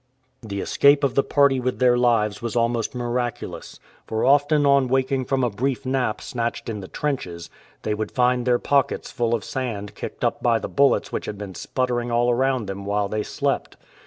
The escape of the party with their lives was almost miraculous, for often on 143 AFRICAN LAKES CORPORATION waking from a brief nap snatched in the trenches, they would find their pockets full of sand kicked up by the bullets which had been sputtering all around them while they slept.